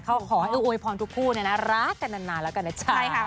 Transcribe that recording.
ขอโอ้ยพรทุกคู่เนี่ยนะรักกันนานแล้วกันนะ